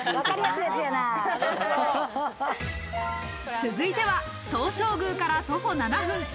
続いては東照宮から徒歩７分。